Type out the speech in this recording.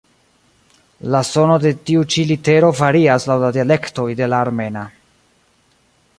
La sono de tiu ĉi litero varias laŭ la dialektoj de la armena.